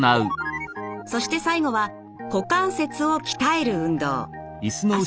そして最後は股関節を鍛える運動。